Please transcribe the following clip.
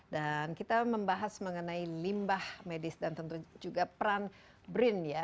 dan kita membahas mengenai limbah medis dan tentu juga peran brin ya